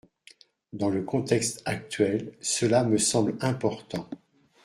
Dans le contexte actuel, cela me semble important.